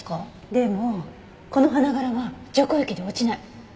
でもこの花柄は除光液で落ちない。